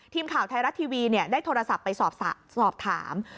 ทีมข่าวไทยรัฐทีวีได้โทรศัพท์ไปสอบถาม